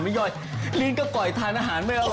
ใช่เจ้าแม่